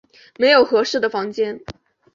没有适合的房间